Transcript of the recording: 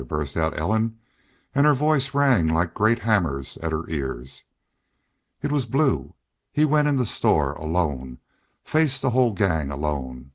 burst out Ellen, and her voice rang like great hammers at her ears. "It was Blue. He went in the store alone faced the whole gang alone.